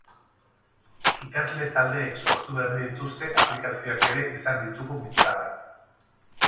Ikasle taldeek sortu berri dituzte aplikazioak ere izan ditugu mintzagai.